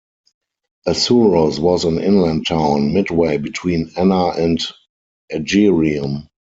Assorus was an inland town, midway between Enna and Agyrium.